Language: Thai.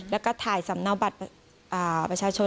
แล้วก็ถ่ายสำเนาบัตรประชาชน